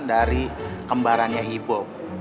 dari kembarannya ibu